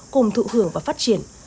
cùng thụ hưởng và phát triển